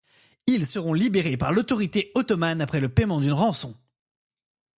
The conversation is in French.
Ils seront libérés par l'autorité ottomane après le paiement d'une rançon.